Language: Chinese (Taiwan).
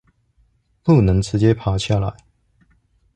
不能直接爬下來